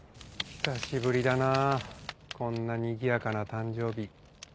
久しぶりだなぁこんなにぎやかな誕生日。